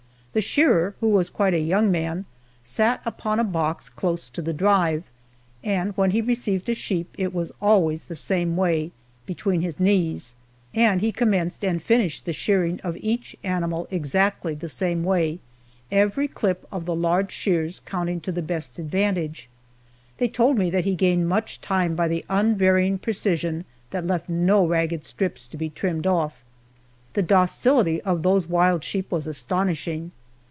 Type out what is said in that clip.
The shearer, who was quite a young man, sat upon a box close to the drive, and when he received a sheep it was always the same way between his knees and he commenced and finished the shearing of each animal exactly the same way, every clip of the large shears counting to the best advantage. They told me that he gained much time by the unvarying precision that left no ragged strips to be trimmed off. The docility of those wild sheep was astonishing.